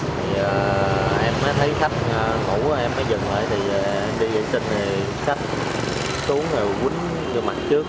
thì em mới thấy khách ngủ em mới dừng lại thì đi vệ sinh thì khách xuống rồi quýnh vô mặt trước